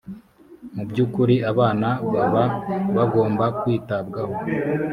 mu by’ukuri abana baba bagomba kwitabwaho